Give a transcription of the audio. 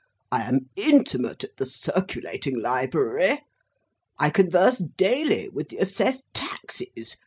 I am intimate at the Circulating Library. I converse daily with the Assessed Taxes.